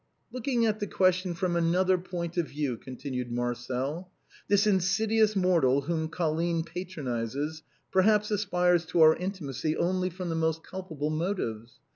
" Looking at the question from another point of view," continued Marcel, " this insidious mortal whom Colline patronizes, perhaps aspires to our intimacy only from the most culpable motives.